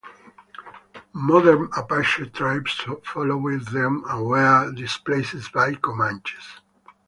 Modern Apache tribes followed them and were displaced by Comanches.